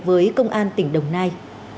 với công an tỉnh đồng nai